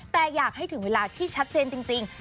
แต่อยากให้ถึงเวลาที่ชัดเจนจริง